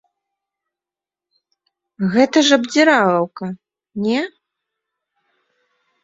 Гэта ж абдзіралаўка, не?